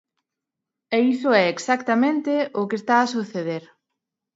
E iso é exactamente o que está a suceder.